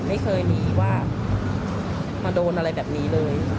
ไม่เคยมีว่ามาโดนอะไรแบบนี้เลย